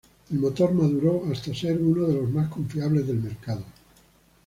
El motor maduró hasta ser uno de los más confiables del mercado.